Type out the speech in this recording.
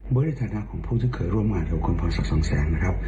เบิร์ดในฐานะของผู้ที่เคยร่วมมากกับคนพรศักดิ์ส่องแสงนะครับ